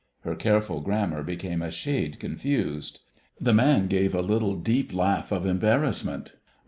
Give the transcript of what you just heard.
Her careful grammar became a shade confused. The man gave a little, deep laugh of embarrassment.